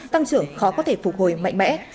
tăng trưởng khó có thể phục hồi mạnh mẽ